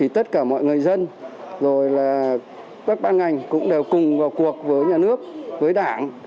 tất cả mọi người dân các ban ngành cũng đều cùng vào cuộc với nhà nước với đảng